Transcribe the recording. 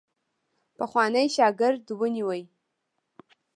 پخوانی شاګرد ونیوی.